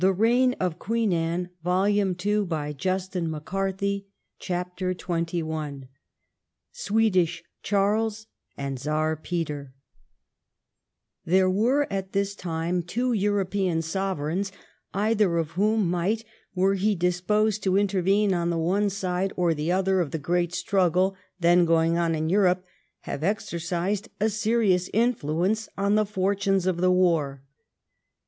RETROSPECT 388 INDEX 409 THE REIGN OF QUEEN ANNE CHAPTEE XXI 'SWEDISH CHARLES' AND CZAR PETER There were at this time two European Sovereigns, either of whom might, were he disposed to intervene on the one side or the other of the great struggle then going on in Europe, have exercised a serious influence on the fortunes of the war.